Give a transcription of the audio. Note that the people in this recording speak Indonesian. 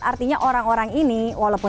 artinya orang orang ini walaupun